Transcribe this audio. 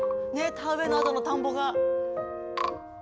田植えのあとの田んぼが。